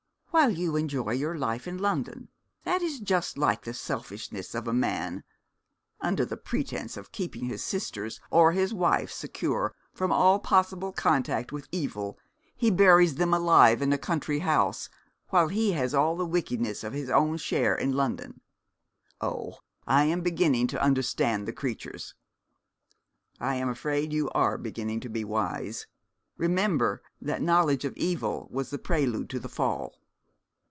'While you enjoy your life in London. That is just like the selfishness of a man. Under the pretence of keeping his sisters or his wife secure from all possible contact with evil, he buries them alive in a country house, while he has all the wickedness for his own share in London. Oh, I am beginning to understand the creatures.' 'I am afraid you are beginning to be wise. Remember that knowledge of evil was the prelude to the Fall.